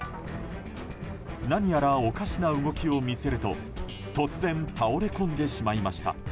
何やらおかしな動きを見せると突然、倒れ込んでしまいました。